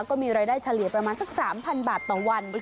ก็มีรายได้เฉลี่ยประมาณสัก๓๐๐บาทต่อวัน